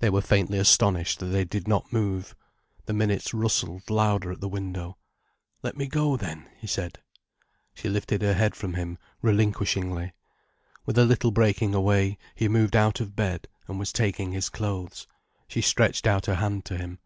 They were faintly astonished that they did not move. The minutes rustled louder at the window. "Let me go then," he said. She lifted her head from him, relinquishingly. With a little breaking away, he moved out of bed, and was taking his clothes. She stretched out her hand to him.